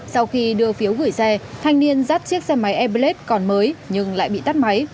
sau khi đưa phiếu gửi xe thanh niên rắt chiếc xe máy airblade còn mới nhưng lại bị tắt máy